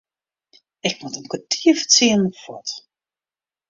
Ik moat om kertier foar tsienen fuort.